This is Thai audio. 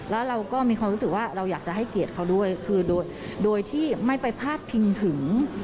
แล้วเราก็มีความรู้สึกว่าเราอยากจะให้เกียรติเขาด้วยคือโดยที่ไม่ไปพาดพิงถึง